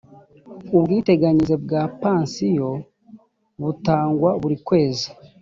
ubwiteganyirize bwa pansiyo butangwa buri kwezi